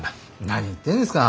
何言ってんですか。